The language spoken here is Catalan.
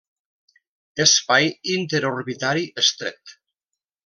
Espai interorbitari estret.